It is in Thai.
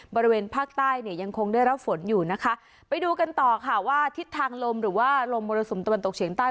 บริเวณภาคใต้เนี่ยยังคงได้รับฝนอยู่นะคะไปดูกันต่อค่ะว่าทิศทางลมหรือว่าลมมรสุมตะวันตกเฉียงใต้